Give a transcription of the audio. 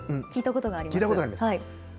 聞いたことありますか？